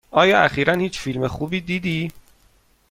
آیا اخیرا هیچ فیلم خوبی دیدی؟